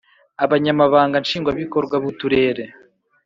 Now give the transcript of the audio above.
abanyamabanga nshingwabikorwa bu turere